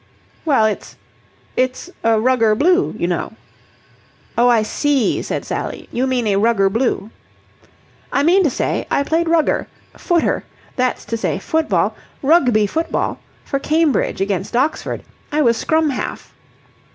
"Well, it's... it's a rugger blue, you know." "Oh, I see," said Sally. "You mean a rugger blue." "I mean to say, I played rugger footer that's to say, football Rugby football for Cambridge, against Oxford. I was scrum half."